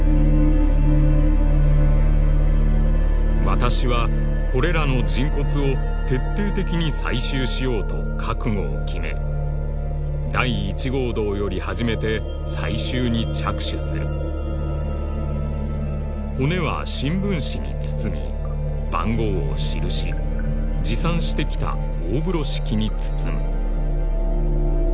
「私はこれらの人骨を徹底的に採集しようと覚悟を決め」「第一号洞より始めて採集に着手する」「骨は新聞紙に包み番号を記し」「持参してきた大風呂敷に包む」